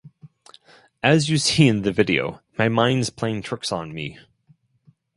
As you see in the video, my mind's playing tricks on me.